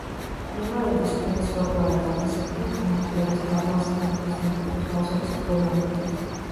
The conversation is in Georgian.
მკვლევარები სხვადასხვაგვარად აფასებდნენ განვითარების დაბალ საფეხურზე მყოფი ხალხების მდგომარეობას.